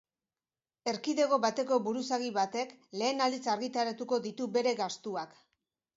Erkidego bateko buruzagi batek lehen aldiz argitaratuko ditu bere gastuak.